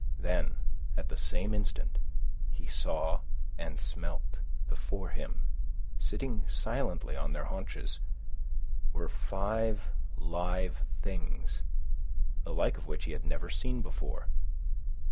Then, at the same instant, he saw and smelt. Before him, sitting silently on their haunches, were five live things, the like of which he had never seen before.